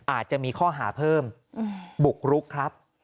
อาจจะมีข้อหาเพิ่มบุกรุกครับ